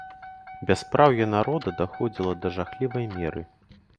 Бяспраўе народа даходзіла да жахлівай меры.